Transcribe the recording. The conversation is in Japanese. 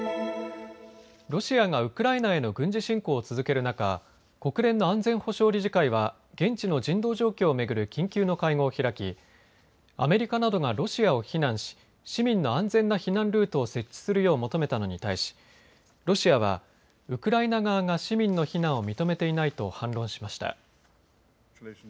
ロシアがウクライナへの軍事侵攻を続ける中、国連の安全保障理事会は現地の人道状況を巡る緊急の会合を開きアメリカなどがロシアを非難し市民の安全な避難ルートを設置するよう求めたのに対し、ロシアは、ウクライナ側が市民の避難を認めていないと反論しました。